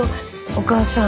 お母さん。